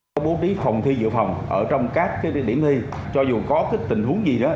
có bố trí phòng thi dự phòng ở trong các điểm thi cho dù có tình huống gì nữa